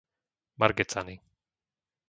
Margecany